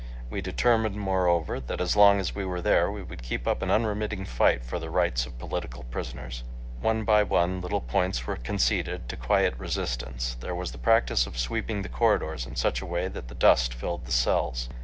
We determined, moreover, that as long as we were there we would keep up an unremitting fight for the rights of political prisoners. One by one little points were conceded to quiet resistance. There was the practice of sweeping the corridors in such a way that the dust filled the cells.